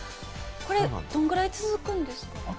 これ、どんぐらい続くんですか？